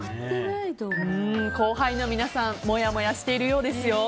後輩の皆さんもやもやしているようですよ。